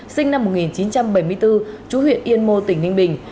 sinh năm một nghìn chín trăm bảy mươi bốn chú huyện yên mô tỉnh ninh bình